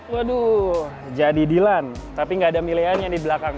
waduh jadi dilan tapi nggak ada milihannya di belakang